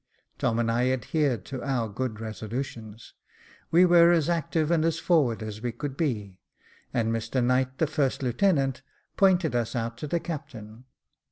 Tom and I adhered to our good resolutions. We were as active and as forward as we could be ; and Mr Knight, the first lieutenant, pointed us out to the captain.